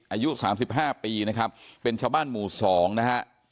อายุสามสิบห้าปีนะครับเป็นชาวบ้านหมู่สองนะฮะ